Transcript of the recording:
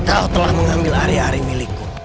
kau telah mengambil area area milikku